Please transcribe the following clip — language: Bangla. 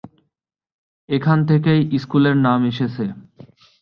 এখান থেকেই স্কুলের নাম এসেছে।